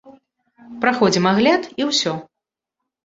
Праходзім агляд і ўсё.